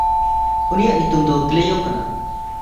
ᱩᱱᱤᱭᱟᱜ ᱧᱩᱛᱩᱢ ᱫᱚ ᱠᱞᱮᱭᱚ ᱠᱟᱱᱟ᱾